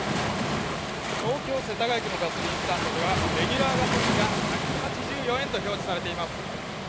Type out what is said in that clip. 東京・世田谷区のガソリンスタンドではレギュラーガソリンが１８４円と表記されています。